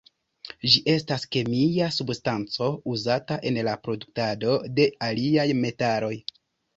Ĝi estas kemia substanco uzata en la produktado de aliaj metaloj.